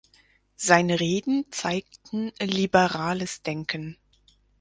Seine Reden zeigten liberales Denken.